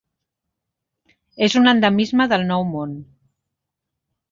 És un endemisme del Nou Món.